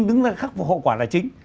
đứng ra khắc phục hậu quả là chính